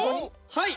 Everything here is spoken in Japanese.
はい！